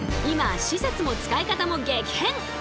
今施設も使い方も激変！